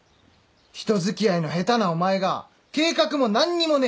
人付き合いの下手なお前が計画も何にもねえ。